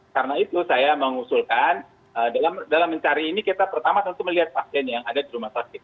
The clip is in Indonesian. karena itu saya mengusulkan dalam mencari ini kita pertama tentu melihat pasien yang ada di rumah sakit